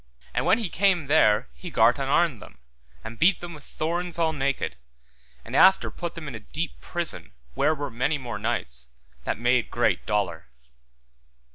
And when he came there he gart unarm them, and beat them with thorns all naked, and after put them in a deep prison where were many more knights, that made great dolour.